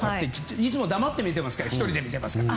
いつも黙って見てますけど１人で見てますから。